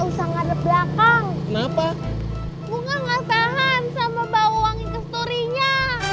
gue gak ngepahan sama bau wangi kesturinya